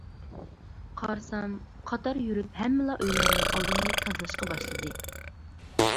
قارىسام قاتار يۈرۈپ ھەممىلا ئۆيلەرنىڭ ئالدىنى تازىلاشقا باشلىدى.